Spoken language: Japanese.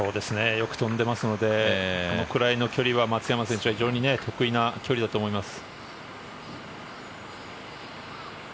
よく飛んでますのでこのくらいの距離は、松山選手は非常に得意な距離だと思います。